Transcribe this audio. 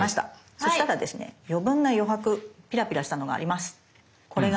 そしたらですね余分な余白ピラピラしたのがあります。